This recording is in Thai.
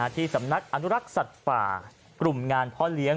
ที่สำนักอนุรักษ์สัตว์ป่ากลุ่มงานพ่อเลี้ยง